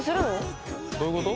どういうこと？